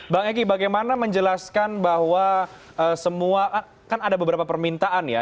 bang egy bagaimana menjelaskan bahwa semua kan ada beberapa permintaan ya